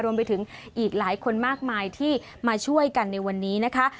รวมไปถึงอีกหลายคนมากมายที่มาช่วยกันในวันนี้นะคะ